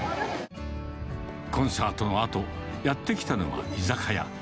コンサートのあと、やって来たのは居酒屋。